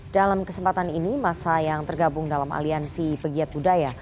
dalam kesempatan ini masa yang tergabung dalam aliansi pegiat budaya